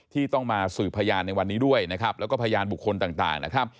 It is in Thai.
ที่ต้องมาสื่อพยานในวันนี้ด้วยแล้วก็พยานบุคคลต่าง